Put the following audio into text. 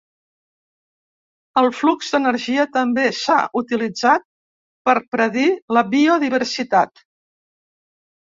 El flux d'energia també s'ha utilitzat per predir la biodiversitat.